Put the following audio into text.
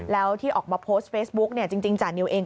แล้วที่ออกมาโพสต์เฟซบุ๊กเนี่ยจริงจานิวเอง